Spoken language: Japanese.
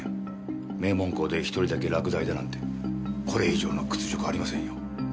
名門校で１人だけ落第だなんてこれ以上の屈辱ありませんよ。